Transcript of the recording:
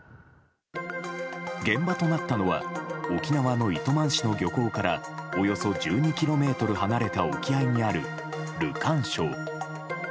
現場となったのは沖縄の糸満市の漁港からおよそ１２ｋｍ離れた沖合にあるルカン礁。